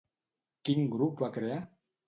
Quin grup va crear?